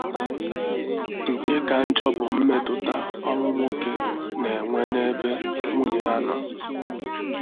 nke kacha njọ bụ mmetụta ọnwụ nwoke na-enwe n'ebe nwunye ya nọ